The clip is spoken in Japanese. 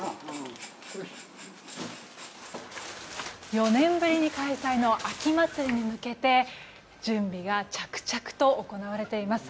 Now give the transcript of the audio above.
４年ぶりに開催の秋祭りに向けて準備が着々と行われています。